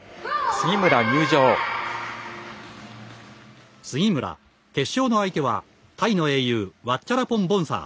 杉村決勝の相手はタイの英雄ワッチャラポン・ボンサー。